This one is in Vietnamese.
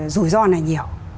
rủi ro này nhiều